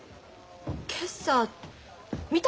今朝見たの？